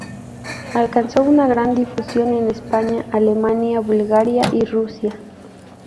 Alcanzó una gran difusión en España, Alemania, Bulgaria y Rusia.